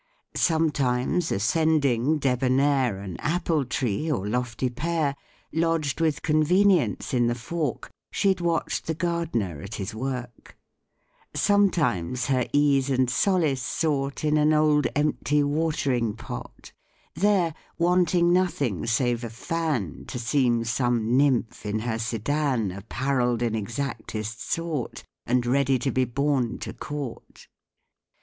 Sometimes ascending, debonnair, An apple tree, or lofty pear, Lodged with convenience in the fork, She watch'd the gardener at his work; Sometimes her ease and solace sought In an old empty watering pot: There, wanting nothing save a fan, To seem some nymph in her sedan Apparell'd in exactest sort, And ready to be borne to court.